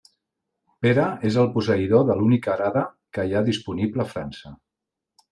Pere és el posseïdor de l'única arada que hi ha disponible a França.